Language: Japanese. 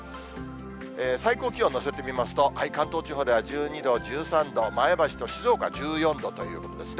最高気温のせてみますと、関東地方では１２度、１３度、前橋と静岡１４度ということですね。